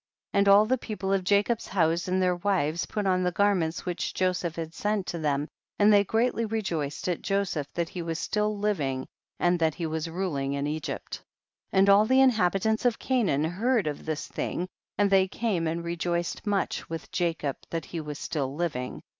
108. And all the people of Jacob's house and their wives put on tlie gar ments which Joseph had sent to them, and they greatly rejoiced at Joseph that he was still living and that he was ruling in Egypt. 109. And all the inhabitants of Canaan heard of this thing, and they came and rejoiced much with Jacob that he was still living.